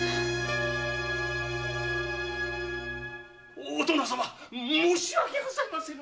お殿様申し訳ございません！